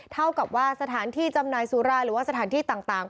เท่ากับว่าสถานที่จำหน่ายสุรายหรือว่าสถานที่ต่าง